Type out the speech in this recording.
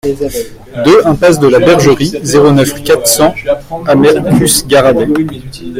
deux impasse de la Bergerie, zéro neuf, quatre cents à Mercus-Garrabet